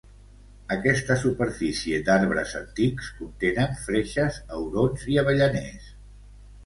Aquests superfície d"arbres antics contenen freixes, aurons i avellaners.